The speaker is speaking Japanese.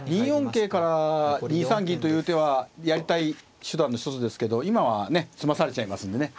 桂から２三銀という手はやりたい手段の一つですけど今は詰まされちゃいますんでね